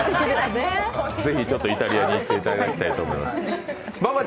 ぜひイタリアに行っていただきたいと思います。